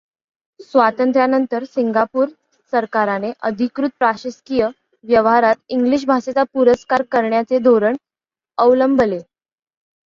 स्वातंत्र्यानंतर सिंगापूर सरकाराने अधिकृत प्रशासकीय व्यवहारात इंग्लिश भाषेचा पुरस्कार करण्याचे धोरण अवलंबले.